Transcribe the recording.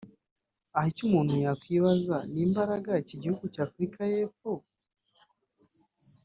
Aha icyo umuntu yakwibaza n’imbaraga iki gihugu cy’Afurika y’Epfo